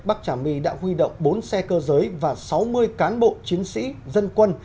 bắc trà my đã huy động bốn xe cơ giới và sáu mươi cán bộ chiến sĩ dân quân